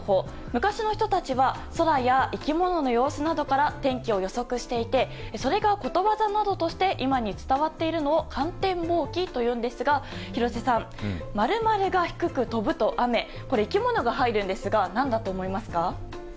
昔の人たちは空や生き物の様子などから天気を予測していてそれが、ことわざなどとして今に伝わっているのを観天望気というんですが廣瀬さん○○が低く飛ぶと雨生き物が入るんですが何だと思いますか？